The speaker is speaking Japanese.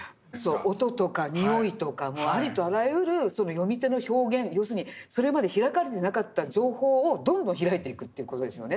音とか匂いとかありとあらゆる読み手の表現要するにそれまで開かれてなかった情報をどんどん開いていくっていう事ですよね。